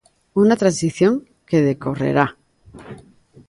Unha transición que decorrerá.